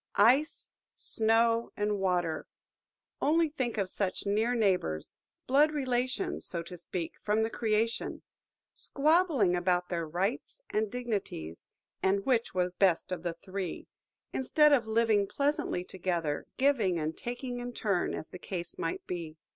ICE, Snow, and Water–only think of such near neighbours–blood relations, so to speak, from the creation–squabbling about their rights and dignities, and which was best of the three; instead of living pleasantly together, giving and taking in turn, as the case might be.